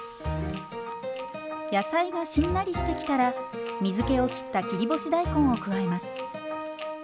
野菜がしんなりしてきたら水けをきった切り干し大根を加えます。